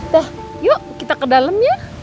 wah yuk kita ke dalem ya